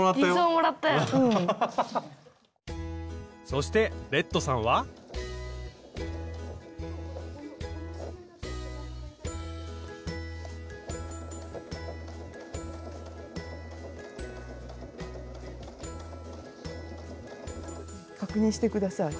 そしてレッドさんは確認して下さい。